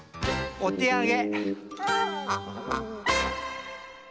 お手あげ！